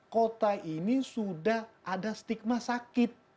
kota ini sudah ada stigma sakit